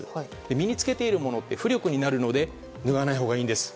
身に着けているものって浮力になるので脱がないほうがいいんです。